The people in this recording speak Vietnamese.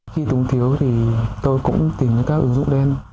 khi túng thiếu thì tôi cũng tìm ra các ứng dụng đen